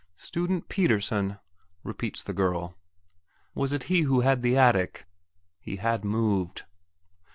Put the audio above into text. "Student Pettersen," repeats the girl. "Was it he who had the attic?" He had moved.